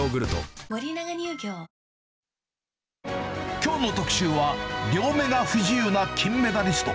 きょうの特集は、両目が不自由な金メダリスト。